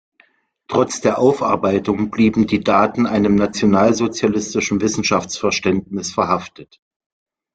Trotz der Aufarbeitung blieben die Daten einem nationalsozialistischen Wissenschaftsverständnis verhaftet.